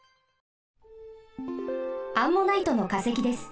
アンモナイトのかせきです。